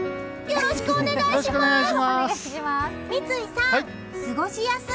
よろしくお願いします！